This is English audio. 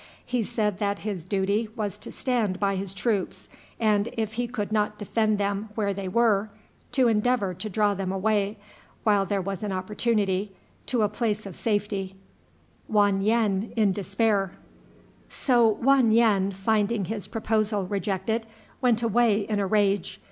He said that his duty was to stand by his troops, and, if he could not defend them where they were, to endeavor to draw them away, while there was an opportunity, to a place of safety. So Wan yen, finding his proposal rejected, went away in a rage.